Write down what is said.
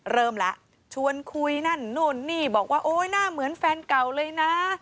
เริ่มแล้วชวนคุยนั่นนู่นนี่บอกว่าโอ๊ยหน้าเหมือนแฟนเก่าเลยนะ